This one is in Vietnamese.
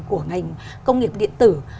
của ngành công nghiệp điện tử